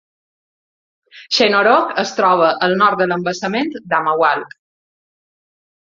Shenorock es troba al nord de l'embassament d'Amawalk.